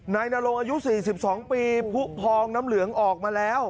นายนรงอายุ๔๒ปีผู้พองน้ำเหลืองออกมาแล้ว